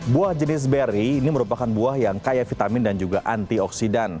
buah jenis beri ini merupakan buah yang kaya vitamin dan juga antioksidan